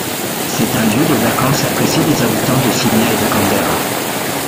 C'est un lieu de vacances apprécié des habitants de Sydney et de Canberra.